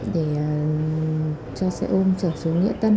để cho xe ôm trở xuống nghĩa tân